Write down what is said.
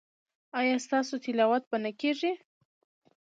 ایا ستاسو تلاوت به نه کیږي؟